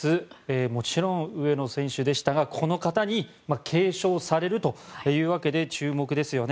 もちろん上野選手でしたがこの方に継承されるというわけで注目ですよね。